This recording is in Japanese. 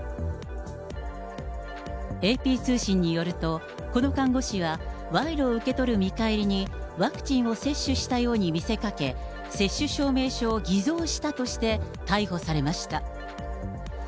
ＡＰ通信によると、この看護師は賄賂を受け取る見返りに、ワクチンを接種したように見せかけ、接種証明書を偽造したとして、逮捕されました。